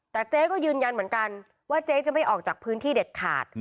แต่เจ๊ก็ยืนยันเหมือนกันว่าเจ๊จะไม่ออกจากพื้นที่เด็ดขาด